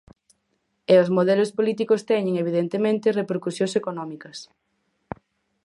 E os modelos políticos teñen, evidentemente, repercusións económicas.